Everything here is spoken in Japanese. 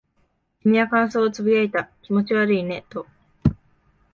君は感想を呟いた。気持ち悪いねと。